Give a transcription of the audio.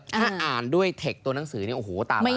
ถ้าอ่านด้วยเทคตัวหนังสือเนี่ยโอ้โหตามมา